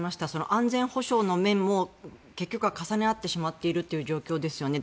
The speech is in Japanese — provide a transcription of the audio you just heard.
安全保障の面も結局は重なり合ってしまっているということですね。